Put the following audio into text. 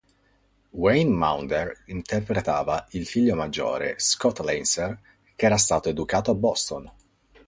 Wayne Maunder interpretava il figlio maggiore, Scott Lancer, che era stato educato a Boston.